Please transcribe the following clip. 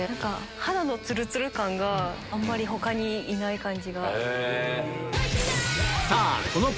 肌のつるつる感があんまり他にいない感じが。